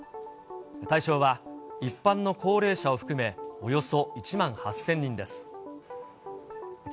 対象は、一般の高齢者を含め、およそ１万８０００人です。